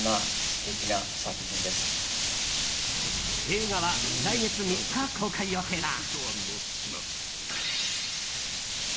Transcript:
映画は来月３日公開予定だ。